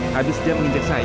habis dia menginjak saya